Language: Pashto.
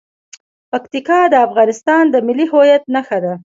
پکتیکا د افغانستان د ملي هویت نښه ده.